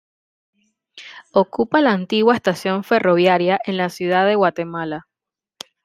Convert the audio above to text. Ocupa la antigua estación ferroviaria en la Ciudad de Guatemala.